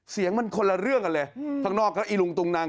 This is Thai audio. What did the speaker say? เสียงมันคนละเรื่องกันเลยข้างนอกก็อีลุงตุงนัง